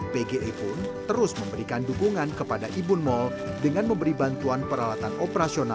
pge pun terus memberikan dukungan kepada ibun mal dengan memberi bantuan peralatan operasional